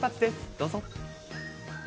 どうぞ。